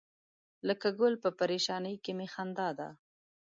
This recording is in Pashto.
لکه ګل په پرېشانۍ کې می خندا ده.